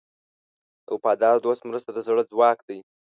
د وفادار دوست مرسته د زړه ځواک دی.